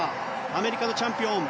アメリカのチャンピオン。